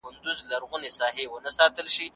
ملا یو ډېر عجیب غږ اورېدلی دی.